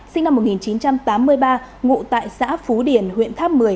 sinh năm một nghìn chín trăm tám mươi ba ngụ tại xã phú điền huyện tháp một mươi